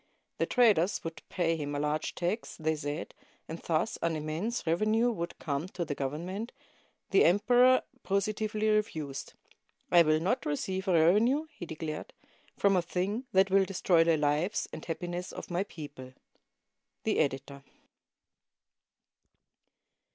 The traders would pay him a large tax, they said, and thus an immense revenue would come to the Government, The emperor positively refused, "I will not receive a revenue," he declared, "from a thing that will destroy the lives and happiness of my people," The Editor.